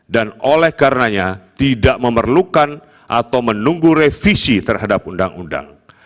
dan oleh karenanya tidak memerlukan atau menunggu revisi terhadap undang undang